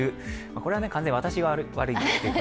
これは完全に私が悪いんですけど。